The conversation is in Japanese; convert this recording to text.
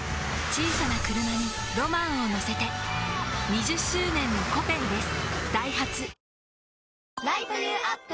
小さなクルマにロマンをのせて２０周年の「コペン」です